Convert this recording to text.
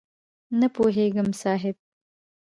نه پوهېږم صاحب؟!